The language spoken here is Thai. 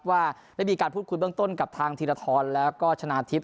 ว่าได้มีการพูดคุยเบื้องต้นกับทีละท้อนแล้วก็ชนะอาทิตย์